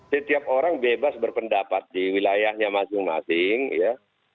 setiap orang bebas berpendapat di wilayahnya masing masing ya